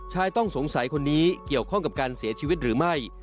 ชายต้องสงสัยคนนี้เกี่ยวข้องกับการเสียชีวิตหรือไม่